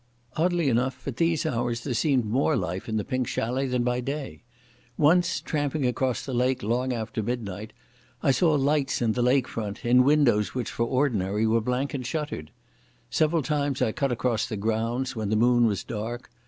Oddly enough at these hours there seemed more life in the Pink Chalet than by day. Once, tramping across the lake long after midnight, I saw lights in the lake front in windows which for ordinary were blank and shuttered. Several times I cut across the grounds, when the moon was dark.